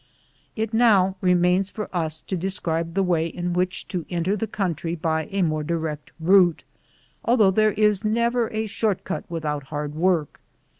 It now remains for us to describe the way in which to enter the country by a more direct route, although there is never a short cut without hard work.